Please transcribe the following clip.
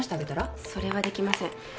それはできません。